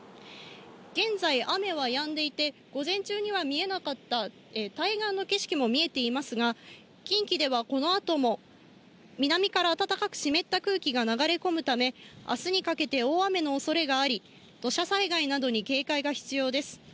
現在、雨はやんでいて、午前中には見えなかった、対岸の景色も見えていますが、近畿ではこのあとも南から暖かく湿った空気が流れ込むため、あすにかけて大雨のおそれがあり、土砂災害などに警戒が必要です。